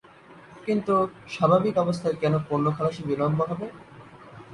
কিন্তু স্বাভাবিক অবস্থায় কেন পণ্য খালাসে বিলম্ব হবে?